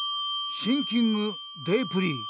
シンキングデープリー。